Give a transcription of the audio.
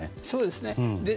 そうですね。